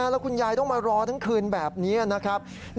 แล้วคุณยายต้องมารอทั้งคืนแบบนี้นะครับ